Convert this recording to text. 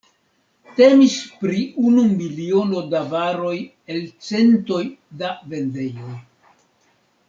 Temis pri unu miliono da varoj el centoj da vendejoj.